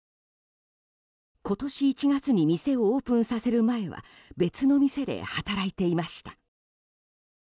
今年１月に店をオープンさせる前は別の店で働いていました。